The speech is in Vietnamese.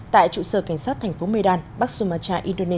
tại trụ sở cảnh sát thành phố medan bắc sumach